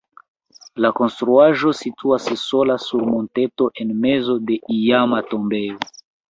La konstruaĵo situas sola sur monteto en mezo de iama tombejo.